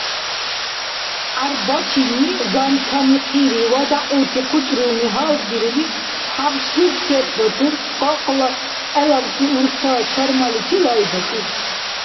ГӀярбачини, занта михъира ва дягӀути хъуцӀруми гьаргдирули, хӀябсур чеббатур, къакъла гӀелабси урца чармаличи лайбакӀиб.